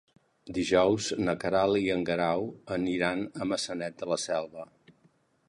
Dijous na Queralt i en Guerau aniran a Maçanet de la Selva.